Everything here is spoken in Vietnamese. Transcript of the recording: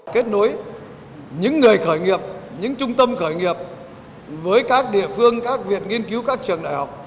kết nối những người khởi nghiệp những trung tâm khởi nghiệp với các địa phương các việc nghiên cứu các trường đại học